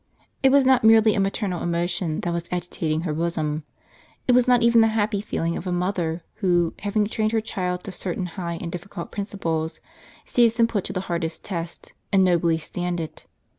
It was not merely a maternal emotion that was agitating her bosom ; it was not even the happy feeling of a mother who, having trained her child to certain high and difficult principles, sees them put to the hardest test, and nobly stand it.